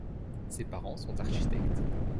Ses parents sont architectes.